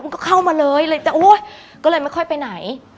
ก็เข้ามาเลยเลยจะโอ๊ยก็เลยไม่ค่อยไปไหน